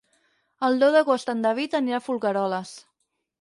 El deu d'agost en David anirà a Folgueroles.